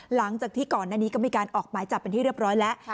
หลังจากที่ก่อนหน้านี้ก็มีการออกหมายจับเป็นที่เรียบร้อยแล้ว